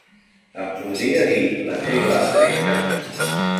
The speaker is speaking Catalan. Em podria dir la seva adreça?